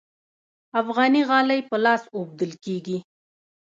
افغاني غالۍ په لاس اوبدل کیږي